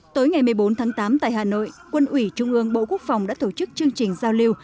tối ngày một mươi bốn tháng tám tại hà nội quân ủy trung ương bộ quốc phòng đã tổ chức chương trình giao lưu